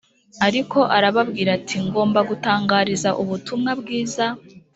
ariko arababwira ati ngomba gutangariza ubutumwa bwiza